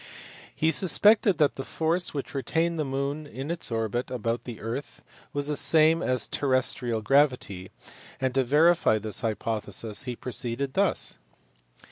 He suspected that the force which retained the moon in its orbit about the earth was the same as terrestrial gravity, and to verify this hypothesis he proceeded thus.